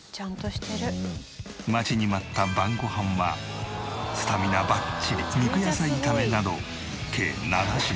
待ちに待った晩ご飯はスタミナバッチリ肉野菜炒めなど計７品。